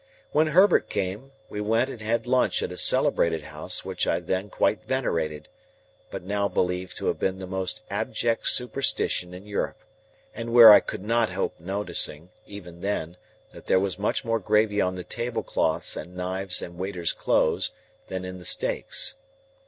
When Herbert came, we went and had lunch at a celebrated house which I then quite venerated, but now believe to have been the most abject superstition in Europe, and where I could not help noticing, even then, that there was much more gravy on the tablecloths and knives and waiters' clothes, than in the steaks.